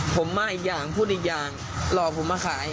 ผมมาอีกอย่างพูดอีกอย่างหลอกผมมาขาย